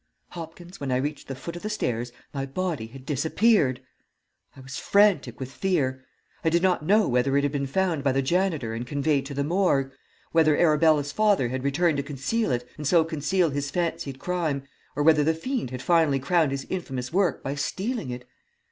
"Hopkins, when I reached the foot of the stairs my body had disappeared! I was frantic with fear. I did not know whether it had been found by the janitor and conveyed to the morgue, whether Arabella's father had returned to conceal it, and so conceal his fancied crime, or whether the fiend had finally crowned his infamous work by stealing it.